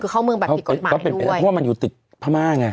เข้าเมืองปฏิกษ์กฎหมายด้วยเขาเป็นไปได้เพราะว่ามันอยู่ติดพม่าไง